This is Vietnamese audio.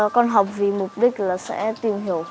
con học vì mục đích là sẽ tìm hiểu